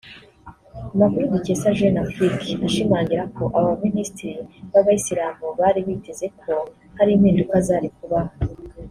Amakuru dukesha Jeune Afrique ashimangira ko aba baminisitiri b’abayisilamu bari biteze ko hari impinduka zari kubaho